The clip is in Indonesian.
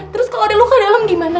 terus kalau ada luka dalam gimana